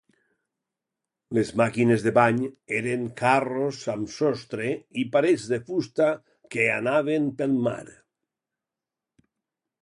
Les màquines de bany eren carros amb sostre i parets de fusta que anaven pel mar.